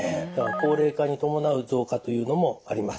高齢化に伴う増加というのもあります。